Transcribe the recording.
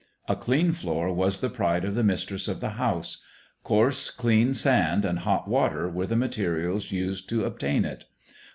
A clean floor was the pride of the mistress of the house. Coarse, clean sand and hot water were the materials used to obtain it.